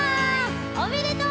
おめでとう！